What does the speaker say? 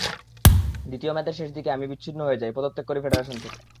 দ্বিতীয় মেয়াদের শেষ দিকে আমি বিচ্ছিন্ন হয়ে যাই, পদত্যাগ করি ফেডারেশন থেকে।